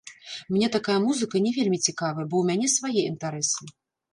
Мне такая музыка не вельмі цікавая, бо ў мяне свае інтарэсы.